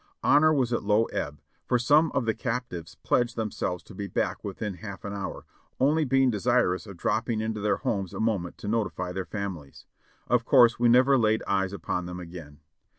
Honor was at low ebb, for some of the captives pledged them selves to be back within half an hour, only being desirous of drop ping into their homes a moment to notify their families. Of course we never laid eyes upon them again.